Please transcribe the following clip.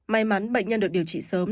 may mắn bệnh nhân được điều trị sớm